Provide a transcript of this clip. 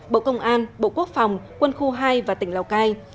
bộ công an bộ quốc phòng quân khu hai và tỉnh lào cai